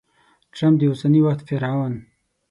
ټرمپ د اوسني وخت فرعون!